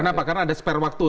kenapa karena ada spare waktu